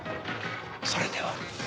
それでは。